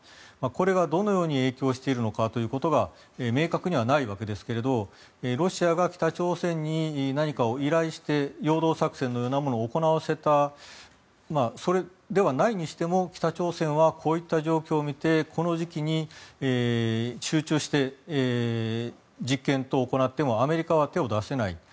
これがどのように影響しているのかということが明確にはないわけですがロシアが北朝鮮に何かを依頼して陽動作戦のようなものを行わせたそれではないにしても北朝鮮はこういった状況を見てこの時期に集中して実験を行ってもアメリカは手を出せない。